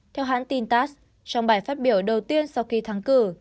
theo hãng tin tass trong bài phát biểu đầu tiên sau khi thắng cử